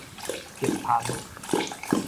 竹蜂